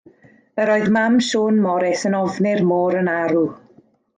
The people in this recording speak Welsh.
Yr oedd mam Siôn Morys yn ofni'r môr yn arw.